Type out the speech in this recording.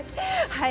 はい。